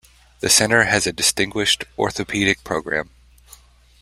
The center has a distinguished orthopedic program.